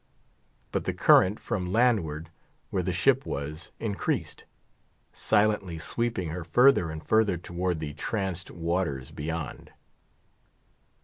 But the current from landward, where the ship was, increased; silently sweeping her further and further towards the tranced waters beyond.